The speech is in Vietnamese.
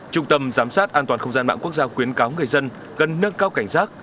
trung tâm giám sát an toàn không gian mạng quốc gia quyến cáo người dân gần nước cao cảnh giác